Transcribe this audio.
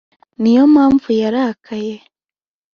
niyo mpamvu yarakaye.